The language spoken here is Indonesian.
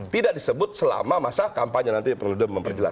tidak disebut selama masa kampanye